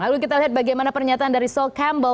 lalu kita lihat bagaimana pernyataan dari salk campbell